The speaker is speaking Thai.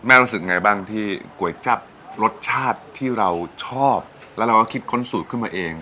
รู้สึกไงบ้างที่ก๋วยจับรสชาติที่เราชอบแล้วเราก็คิดค้นสูตรขึ้นมาเอง